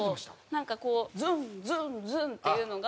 なんかこうズンズンズンっていうのが。